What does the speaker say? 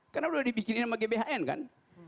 karena udah dibikinin sama gbhn kan